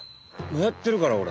やってるからおれ。